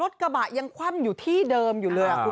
กระบะยังคว่ำอยู่ที่เดิมอยู่เลยคุณ